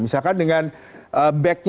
misalkan dengan bagnya